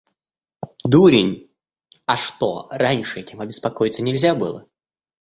Дурень, а что, раньше этим обеспокоиться нельзя было?